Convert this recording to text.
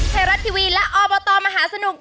ไทยรัฐทีวีและอบตมหาสนุก